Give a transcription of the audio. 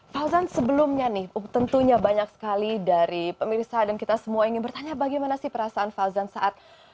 fauzan sebelumnya nih tentunya banyak sekali dari pemirsa dan kita semua ingin bertanya bagaimana sih perasaan fauzan saat